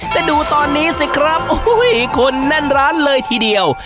แต่ดูตอนนี้สิครับโอ้โหคนแน่นร้านเลยทีเดียว